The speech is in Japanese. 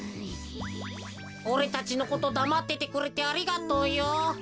おれたちのことだまっててくれてありがとうよ。